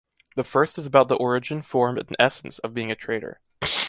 The first is about the origin, form and essence of being a trader.